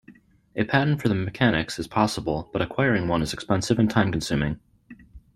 A patent for the mechanics is possible, but acquiring one is expensive and time-consuming.